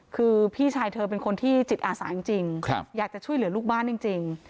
คือพี่ชายเธอเป็นคนที่จิตอาสาจริงอยากจะช่วยเหลือลูกบ้านจริง